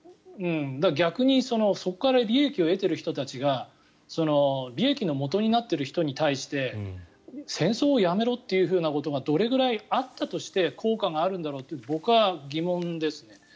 逆にそこから利益を得ている人たちが利益のもとになってる人に対して戦争をやめろっていうことをどれぐらいあったとして効果があるんだろうと僕は疑問ですね。